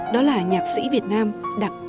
đó là nhạc sĩ việt nam đặng thái sơn